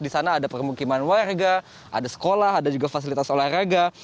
di sana ada permukiman warga ada sekolah ada juga fasilitas olahraga